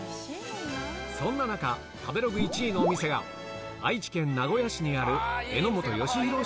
そんな中、食べログ１位のお店が、愛知県名古屋市にある榎本よしひろ